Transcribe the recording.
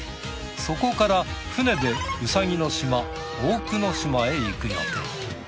そこから船でウサギの島大久野島へ行く予定。